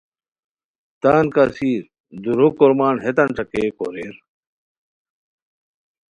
تان کاسیر دورو کورمان ہیتان ݯاکئے کورئیر